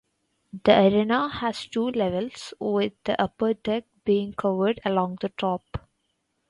The arena has two levels, with the upper deck being curved along the top.